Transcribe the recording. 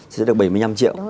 sẽ được bảy mươi năm triệu